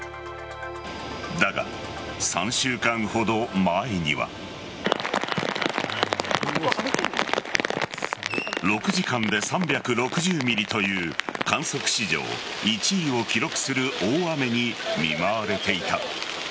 だが、３週間ほど前には。６時間で３６０ｍｍという観測史上１位を記録する大雨に見舞われていた。